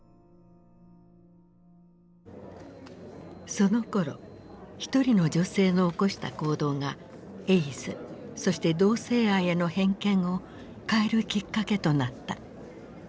そのころ一人の女性の起こした行動がエイズそして同性愛への偏見を変えるきっかけとなった。